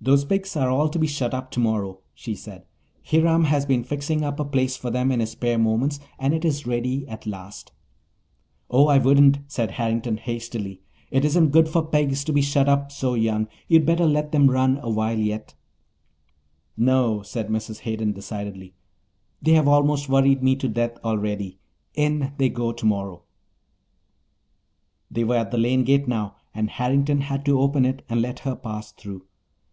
"Those pigs are all to be shut up tomorrow," she said. "Hiram has been fixing up a place for them in his spare moments and it is ready at last." "Oh, I wouldn't," said Harrington hastily. "It isn't good for pigs to be shut up so young. You'd better let them run a while yet." "No," said Mrs. Hayden decidedly. "They have almost worried me to death already. In they go tomorrow." They were at the lane gate now, and Harrington had to open it and let her pass through.